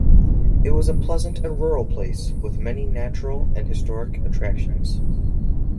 It is a pleasant and rural place with many natural and historic attractions.